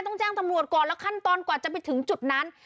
ต้องแจ้งตำรวจก่อนแล้วขั้นตอนกว่าจะไปถึงจุดนั้น